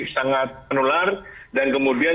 sangat penular dan kemudian